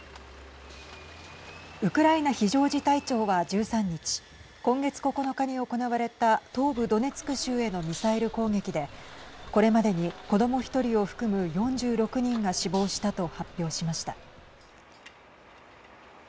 ウクライナ非常事態庁は１３日今月９日に行われた東部ドネツク州へのミサイル攻撃でこれまでに、子ども１人を含む４６人が死亡したと発表しました。